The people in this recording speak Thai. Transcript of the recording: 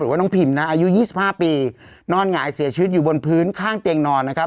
ว่าน้องพิมนะอายุ๒๕ปีนอนหงายเสียชีวิตอยู่บนพื้นข้างเตียงนอนนะครับ